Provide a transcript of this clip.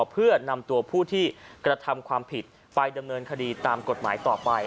เพื่อนำตัวผู้ที่กระทำความผิดไปดำเนินคดีตามกฎหมายต่อไป